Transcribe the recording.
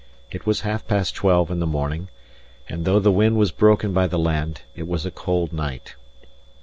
It was half past twelve in the morning, and though the wind was broken by the land, it was a cold night.